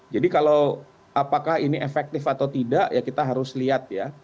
jadi kalau apakah ini efektif atau tidak ya kita harus lihat ya